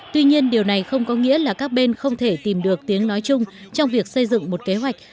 tuy nhiên điều này không có nghĩa là các bên không thể tìm được tiếng nói chung trong việc xây dựng một kế hoạch